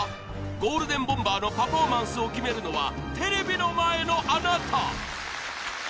ゴールデンボンバーのパフォーマンスを決めるのはテレビの前のあなた！